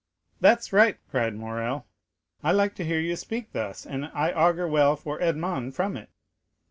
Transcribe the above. "That's right!" cried Morrel. "I like to hear you speak thus, and I augur well for Edmond from it."